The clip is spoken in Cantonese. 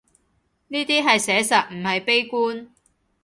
呢啲係寫實，唔係悲觀